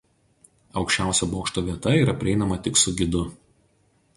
Aukščiausia bokšto vieta yra prieinama tik su gidu.